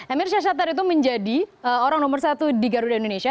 emir syahsatar itu menjadi orang nomor satu di garuda indonesia